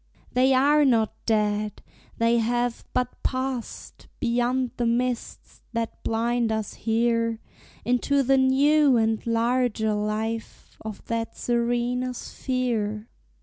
They are not dead! they have but passed Beyond the mists that blind us here Into the new and larger life Of that serener sphere.